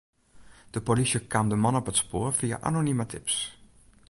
De polysje kaam de man op it spoar fia anonime tips.